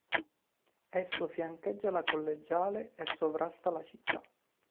Esso fiancheggia la Collegiale e sovrasta la città.